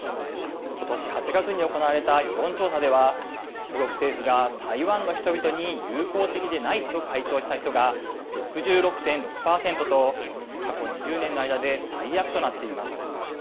今年８月に行われた世論調査では中国政府が台湾の人々に友好的でないと回答した人が６６．６％と過去２０年の間で最悪となっています。